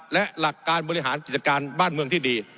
และหลักการบริหารกิจการบ้านเมืองที่ดี